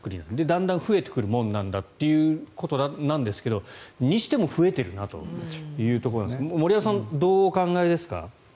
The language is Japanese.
だんだん増えてくるものなんだということですがにしても増えてるなというところですが森山さんどうお考えですか？